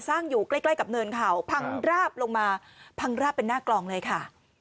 อยู่ใกล้ใกล้กับเนินเขาพังราบลงมาพังราบเป็นหน้ากลองเลยค่ะ